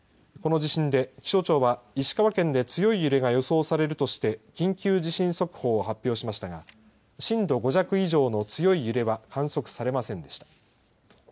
この地震で気象庁は石川県で強い揺れが予想されるとして緊急地震速報を発表しましたが震度５弱以上の強い揺れは観測されませんでした。